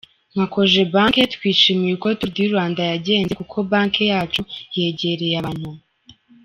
"Nka Cogebanque twishimiye uko Tour du Rwanda yagenze, kuko Banque yacu yegereye abantu.